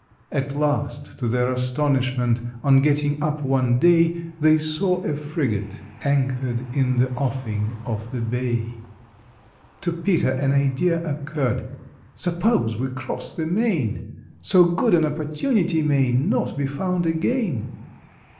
At last, to their astonishment, on getting up one day, They saw a frigate anchored in the offing of the bay. To PETER an idea occurred. "Suppose we cross the main? So good an opportunity may not be found again."